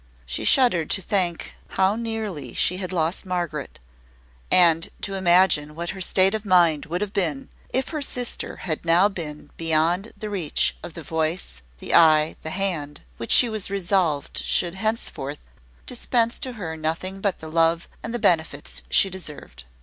She shuddered to think how nearly she had lost Margaret; and to imagine what her state of mind would have been, if her sister had now been beyond the reach of the voice, the eye, the hand, which she was resolved should henceforth dispense to her nothing but the love and the benefits she deserved.